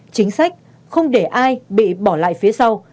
chính sách không để ai bị bỏ lại phía sau